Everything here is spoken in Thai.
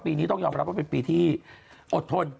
ปีนี้ต้องยอมรับว่าเป็นปีที่อดทน